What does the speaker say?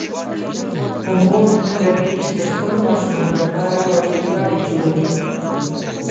مور ربیټ د خپلو ماشومانو لپاره وړې جرابې جوړولې